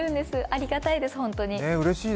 ありがたいです、本当に。